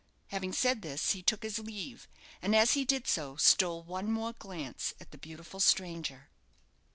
Having said this, he took his leave; and as he did so, stole one more glance at the beautiful stranger.